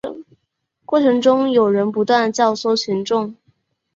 过程中有人不断教唆群众